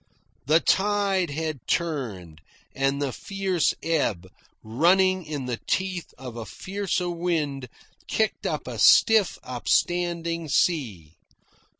The tide had turned, and the fierce ebb, running in the teeth of a fiercer wind, kicked up a stiff, upstanding sea.